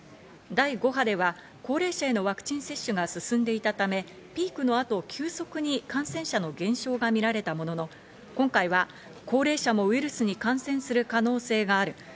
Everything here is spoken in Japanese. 第５波では高齢者へのワクチン接種が進んでいたため、ピークの後、急速に感染者の減少が見られたものの、今回は高齢者もウイルスに感染する可能性がある。